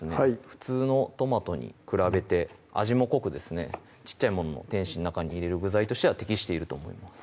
普通のトマトに比べて味も濃くですね小っちゃいものの点心の中に入れる具材としては適していると思います